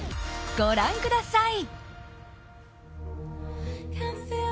ご覧ください。